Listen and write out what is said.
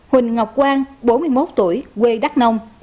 huỳnh ngọc quang bốn mươi một tuổi quê đắk nông